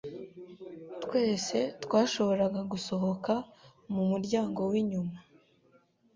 Twese twashoboraga gusohoka mu muryango w'inyuma